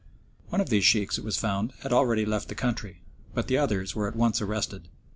One of these Sheikhs, it was found, had already left the country, but the others were at once arrested.